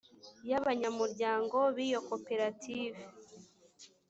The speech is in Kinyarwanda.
y abanyamuryango b iyo koperative